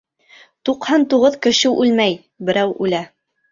Туҡһан туғыҙ кеше үлмәй, берәү үлә.